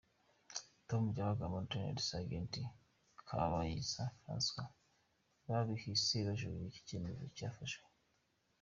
Tom Byabagamba na Rtd Sgt Kabayiza François babihise bajuririra iki cyemezo cyafashwe.